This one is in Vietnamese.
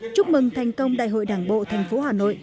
chúc mừng thành công đại hội đảng bộ thành phố hà nội